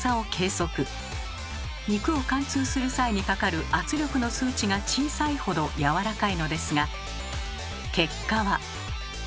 肉を貫通する際にかかる圧力の数値が小さいほどやわらかいのですが結果は。